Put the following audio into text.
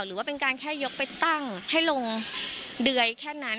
หรือว่าเป็นการแค่ยกไปตั้งให้ลงเดือยแค่นั้น